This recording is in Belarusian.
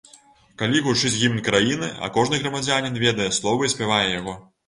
Калі гучыць гімн краіны, а кожны грамадзянін ведае словы і спявае яго.